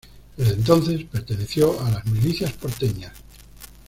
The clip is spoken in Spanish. Desde entonces perteneció a las milicias porteñas.